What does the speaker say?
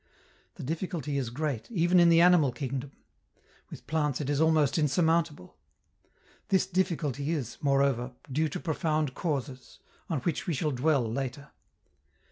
The difficulty is great, even in the animal kingdom; with plants it is almost insurmountable. This difficulty is, moreover, due to profound causes, on which we shall dwell later.